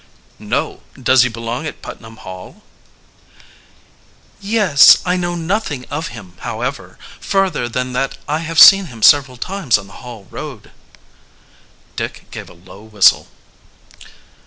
"No. Does he belong at Putnam Hall?" "Yes. I know nothing of him, however, further than that I have seen him several times on the Hall road." Dick gave a low whistle.